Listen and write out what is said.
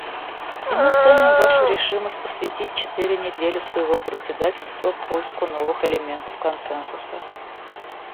И мы ценим вашу решимость посвятить четыре недели своего председательства поиску новых элементов консенсуса.